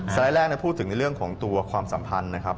ไลด์แรกพูดถึงในเรื่องของตัวความสัมพันธ์นะครับ